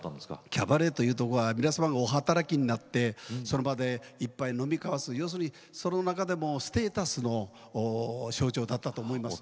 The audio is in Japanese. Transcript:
キャバレーというところは皆さんがお働きになってその場で１杯飲み交わすその中でもステータスの象徴だったと思います。